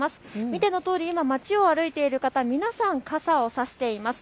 見てのとおり街を歩いている方、皆さん傘を差しています。